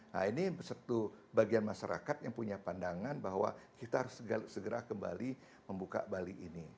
nah ini satu bagian masyarakat yang punya pandangan bahwa kita harus segera kembali membuka bali ini